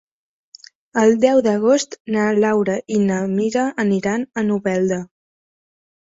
El deu d'agost na Laura i na Mira aniran a Novelda.